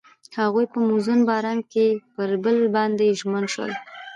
هغوی په موزون باران کې پر بل باندې ژمن شول.